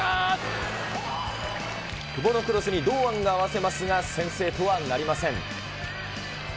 久保のクロスに堂安が合わせますが、先制とはなりません。